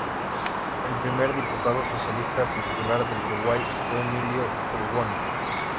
El primer diputado socialista titular del Uruguay fue Emilio Frugoni.